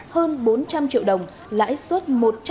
hơn bốn trăm linh triệu đồng lãi suất